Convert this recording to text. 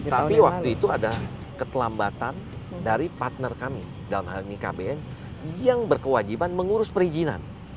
tapi waktu itu ada keterlambatan dari partner kami dalam hal ini kbn yang berkewajiban mengurus perizinan